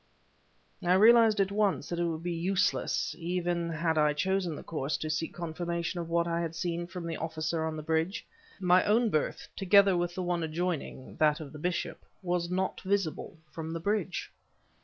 I realized at once that it would be useless, even had I chosen the course, to seek confirmation of what I had seen from the officer on the bridge: my own berth, together with the one adjoining that of the bishop was not visible from the bridge.